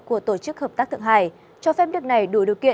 của tổ chức hợp tác thượng hải cho phép nước này đủ điều kiện